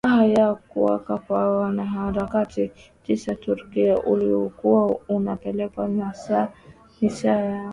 a ya kuuwawa kwa wanaharakati tisa uturuki ualiokuwa unapeleka misaada yao